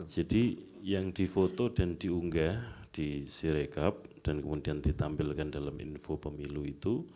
jadi yang dipotong dan diunggah di siregab dan kemudian ditampilkan dalam info pemilu itu